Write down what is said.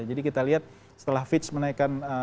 jadi kita lihat setelah fitch menaikkan